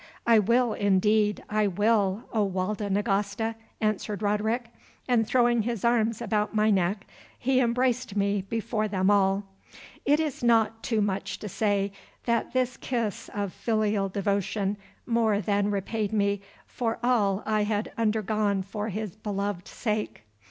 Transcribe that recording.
"I will, indeed, I will, O Walda Nagasta," answered Roderick, and throwing his arms about my neck he embraced me before them all. It is not too much to say that this kiss of filial devotion more than repaid me for all I had undergone for his beloved sake.